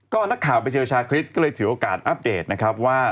ก็นักข่าวไปเชียวชาคริสก็เลยถือโอกาสอัปเดตนะครับว่า